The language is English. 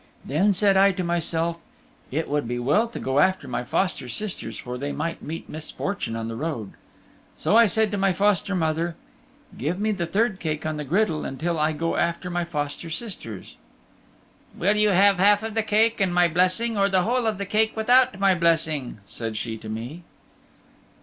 Then said I to myself, "It would be well to go after my foster sisters for they might meet misfortune on the road." So I said to my foster mother, "Give me the third cake on the griddle until I go after my foster sisters." "Will you have half of the cake and my blessing or the whole of the cake without my blessing?" said she to me.